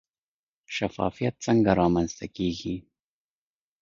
شفافیت څنګه رامنځته کیږي؟